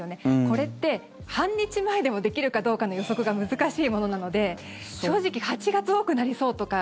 これって、半日前でもできるかどうかの予測が難しいものなので正直、８月多くなりそうとか。